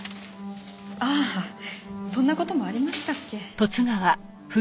ああそんな事もありましたっけ。